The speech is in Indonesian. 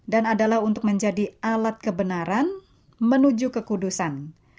dan adalah untuk menjadi alat kebenaran menuju kekudusan